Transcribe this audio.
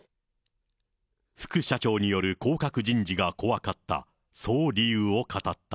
副社長による降格人事が怖かった、そう理由を語った。